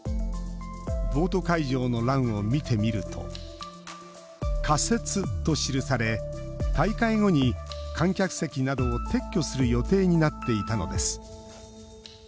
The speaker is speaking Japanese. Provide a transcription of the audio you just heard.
ボート会場の欄を見てみると「仮設」と記され大会後に観客席などを撤去する予定になっていたのです。